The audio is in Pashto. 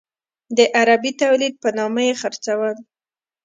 د عربي تولید په نامه یې خرڅول.